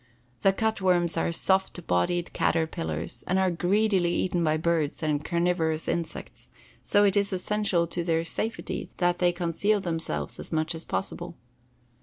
The cut worms are soft bodied caterpillars and are greedily eaten by birds and carnivorous insects, so it is essential to their safety that they conceal themselves as much as possible.